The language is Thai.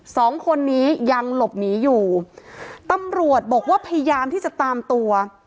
สองคนนี้ยังหลบหนีอยู่ตำรวจบอกว่าพยายามที่จะตามตัว